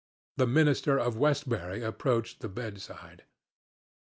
The minister of Westbury approached the bedside.